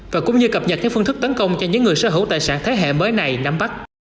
và cũng như cập nhật theo phương thức tấn công cho những người sở hữu tài sản thế hệ mới này nắm bắt